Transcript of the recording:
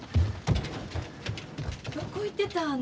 どこ行ってたん？